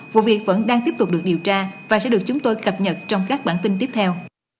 vụ việc vẫn đang tiếp tục được điều tra và sẽ được chúng tôi cập nhật trong các bản tin tiếp theo